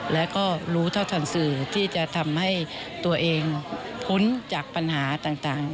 แล้วก็รู้เท่าทันสื่อที่จะทำให้ตัวเองพ้นจากปัญหาต่าง